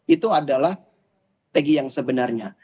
itu adalah pegi yang sebenarnya